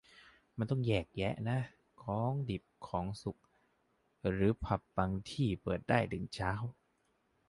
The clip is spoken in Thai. มันต้องแยกนะ ของดิบ ของสุก หรือผับบางที่เปิดได้ถึงเช้า